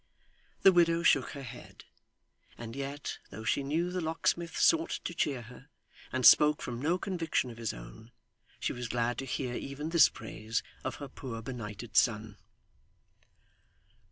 The widow shook her head. And yet, though she knew the locksmith sought to cheer her, and spoke from no conviction of his own, she was glad to hear even this praise of her poor benighted son.